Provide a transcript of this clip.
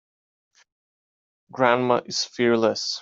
Grandma is fearless.